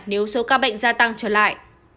nếu số ca bệnh gia tăng trở lại